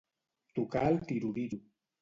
Tocar el Tiroriro.